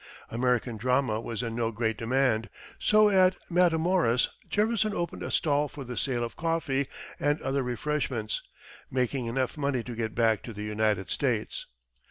American drama was in no great demand, so at Matamoras Jefferson opened a stall for the sale of coffee and other refreshments, making enough money to get back to the United States.